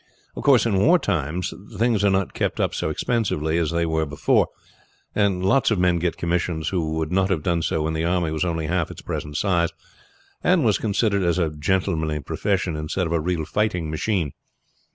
"Of course in war times things are not kept up so expensively as they were before, and lots of men get commissions who would not have done so when the army was only half its present size, and was considered as a gentlemanly profession instead of a real fighting machine.